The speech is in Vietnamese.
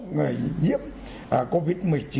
người nhiễm covid một mươi chín